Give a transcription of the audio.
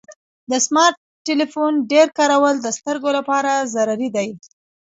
د سمارټ ټلیفون ډیر کارول د سترګو لپاره ضرري دی.